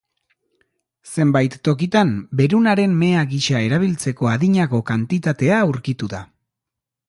Zenbait tokitan berunaren mea gisa erabiltzeko adinako kantitatea aurkitu da.